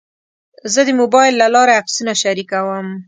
زه د موبایل له لارې عکسونه شریکوم.